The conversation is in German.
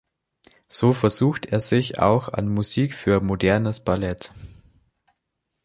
So versucht er sich auch an Musik für modernes Ballett.